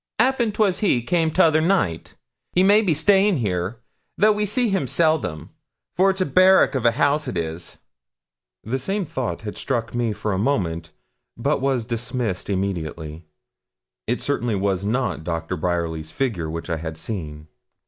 ''Appen 'twas he come 'tother night. He may be staying here, though we see him seldom, for it's a barrack of a house it is.' The same thought had struck me for a moment, but was dismissed immediately. It certainly was not Doctor Bryerly's figure which I had seen.